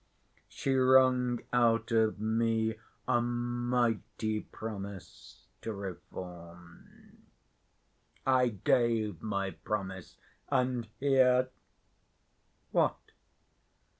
She wrung out of me a mighty promise to reform. I gave my promise, and here—" "What?"